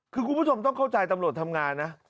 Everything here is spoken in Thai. คือคุณผู้ชมต้องเข้าใจตำรวจทำงานนะ